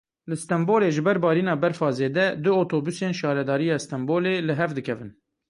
Li Stenbolê ji ber barîna berfa zêde du otobusên Şaredariya Stenbolê li hev dikevin.